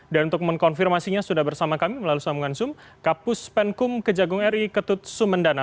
untuk mengkonfirmasinya sudah bersama kami melalui sambungan zoom kapus penkum kejagung ri ketut sumendana